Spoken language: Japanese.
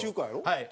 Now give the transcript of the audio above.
はい。